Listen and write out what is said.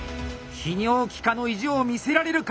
泌尿器科の意地を見せられるか。